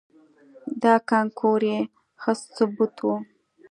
دا کانکور یې ښه ثبوت و.